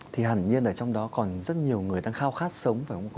thì hẳn nhiên ở trong đó còn rất nhiều người đang khao khát sống phải không có